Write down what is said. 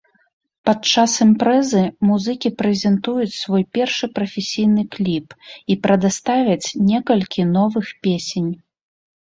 Падчас імпрэзы музыкі прэзентуюць свой першы прафесійны кліп і прадаставяць некалькі новых песень.